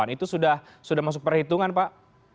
itu sudah masuk perhitungan pak